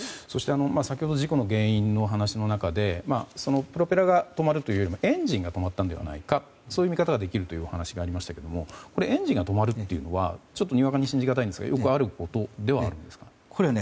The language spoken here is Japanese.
先ほど事故の原因の話の中でプロペラが止まるというよりはエンジンが止まるという見方ができるというお話がありましたけどエンジンが止まるというのはにわかに信じがたいですがよくあることですか？